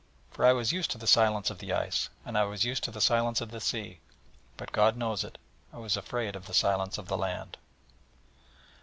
For I was used to the silence of the ice: and I was used to the silence of the sea: but, God knows it, I was afraid of the silence of the land.